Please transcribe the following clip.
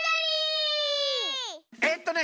えっとね